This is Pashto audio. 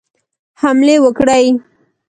حملې وکړي.